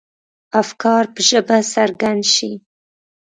افکار په ژبه څرګند شي.